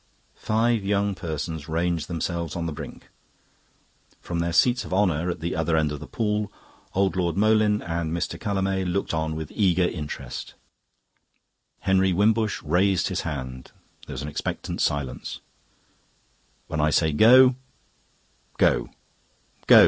Five young persons ranged themselves on the brink. From their seats of honour at the other end of the pool, old Lord Moleyn and Mr. Callamay looked on with eager interest. Henry Wimbush raised his hand. There was an expectant silence. "When I say 'Go,' go. Go!"